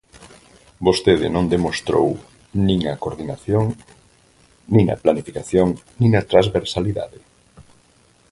Vostede non demostrou nin a coordinación nin a planificación nin a transversalidade.